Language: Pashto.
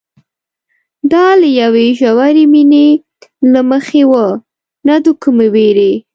دا له یوې ژورې مینې له مخې وه نه د کومې وېرې.